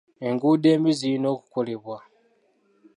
Enguudo embi zirina okukolebwa.